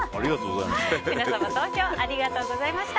皆さんも投票ありがとうございました。